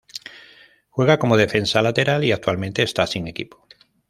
Juega como defensa lateral y actualmente está sin equipo.